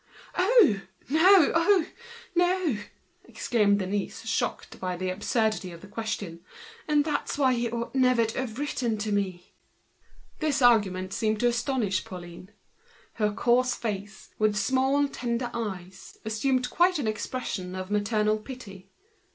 "Oh! No, oh! no," exclaimed the young girl, shocked by the absurdity of the question, "and that's why he ought not to have written to me." This argument completely astonished Pauline. Her coarse face, with her small tender eyes, assumed quite an expression of maternal compassion.